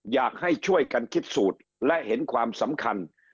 อยากให้ช่วยกันคิดสูตรและเห็นความสำคัญ